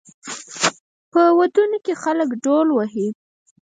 په ودونو کې خلک ډول وهي.